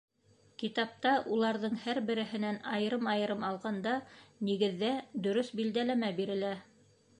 Китапта уларҙың һәр береһенән, айырым-айырым алғанда, нигеҙҙә, дөрөҫ билдәләмә бирелә.